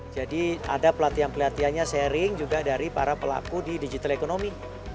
jadi ada pelatihan pelatihannya sharing juga dari para pelaku di digital ekonomi